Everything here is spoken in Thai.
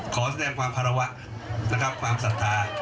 ขอแสดงความภาระวะความศรัทธา